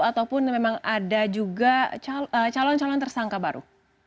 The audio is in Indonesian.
ataupun memang ada juga calon calon tersangka baru